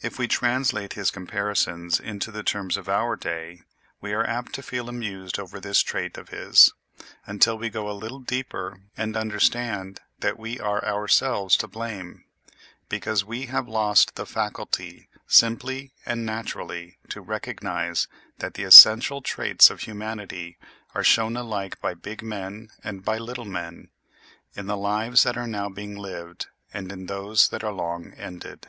If we translate his comparisons into the terms of our day, we are apt to feel amused over this trait of his, until we go a little deeper and understand that we are ourselves to blame, because we have lost the faculty simply and naturally to recognize that the essential traits of humanity are shown alike by big men and by little men, in the lives that are now being lived and in those that are long ended.